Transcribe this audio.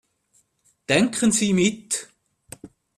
Denken Sie mit.